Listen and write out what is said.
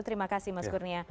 terima kasih mas kurnia